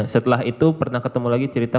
setelah itu pernah ketemu lagi cerita